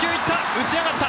打ち上がった。